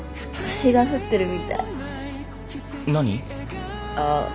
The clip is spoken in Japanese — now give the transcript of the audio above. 星が降ってるみたい。